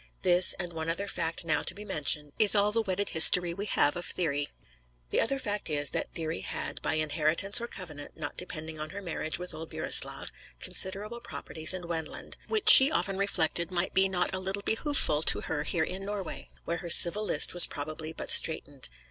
This, and one other fact now to be mentioned, is all the wedded history we have of Thyri. The other fact is, that Thyri had, by inheritance or covenant, not depending on her marriage with old Burislav, considerable properties in Wendland, which she often reflected might be not a little behooveful to her here in Norway, where her civil list was probably but straitened.